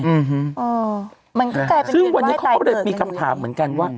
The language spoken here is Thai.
มันก็กลายเป็นเวทย์ไหว้ตายเกิดซึ่งวันนี้เขาก็ได้มีคำถามเหมือนกันว่า